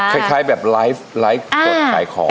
คล้ายแบบไลฟ์ไลฟ์กดขายของอะไรอย่างนี้